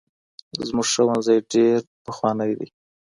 زموږ ښوونځی ډېر پخوانی دی.